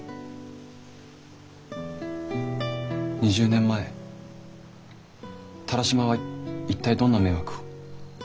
２０年前田良島は一体どんな迷惑を。